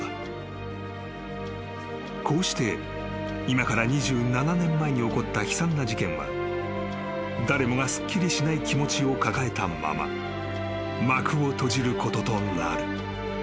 ［こうして今から２７年前に起こった悲惨な事件は誰もがすっきりしない気持ちを抱えたまま幕を閉じることとなる］